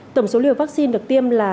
tổng số liều vaccine được tiêm là